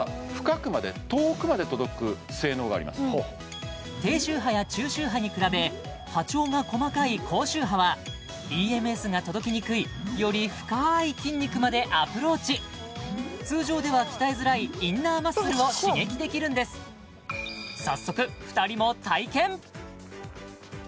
これ実は低周波や中周波に比べ波長が細かい高周波はＥＭＳが届きにくいより深い筋肉までアプローチ通常では鍛えづらいインナーマッスルを刺激できるんです早速２人も体験！